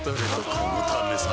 このためさ